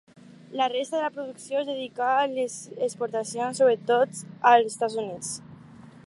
La resta de la producció es dedica a les exportacions, sobretot als Estats Units.